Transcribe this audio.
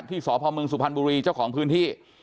ที่สพมสุพันธ์บุรีเจ้าของพื้นที่